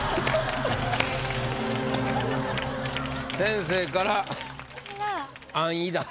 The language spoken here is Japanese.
先生から「安易！」だと。